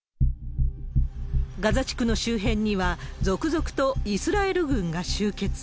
ガザ地区の周辺には、続々とイスラエル軍が集結。